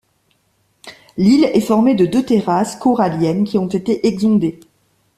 L'île est formée de deux terrasses coralliennes qui ont été exondées.